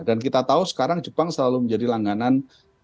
dan kita tahu sekarang jepang selalu menjadi langganan